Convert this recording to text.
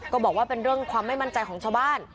บอกว่าเป็นเรื่องความไม่มั่นใจของชาวบ้าน